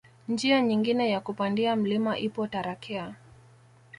Njia nyingine ya kupandia mlima ipo Tarakea